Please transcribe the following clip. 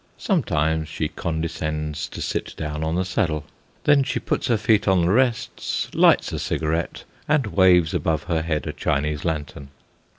Sometimes she condescends to sit down on the saddle; then she puts her feet on the rests, lights a cigarette, and waves above her head a Chinese lantern.